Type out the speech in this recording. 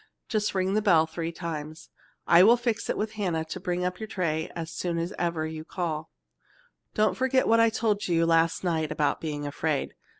Just ring the bell three times. I will fix it with Hannah to bring you a tray as soon as ever you call. "Don't forget what I told you last night about being afraid.